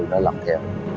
nó lặp theo